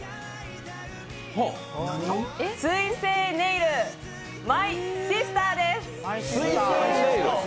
水性ネイルマイシスターです。